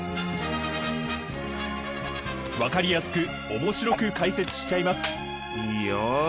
分かりやすく面白く解説しちゃいます！